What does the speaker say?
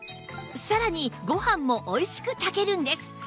さらにご飯もおいしく炊けるんです